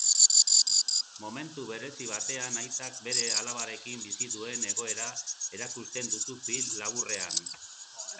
Momentu berezi batean aitak bere alabarekin bizi duen egoera erakusten duzu film laburrean.